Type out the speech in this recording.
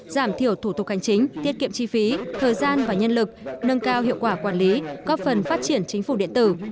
giảm thiểu thủ tục hành chính tiết kiệm chi phí thời gian và nhân lực nâng cao hiệu quả quản lý góp phần phát triển chính phủ điện tử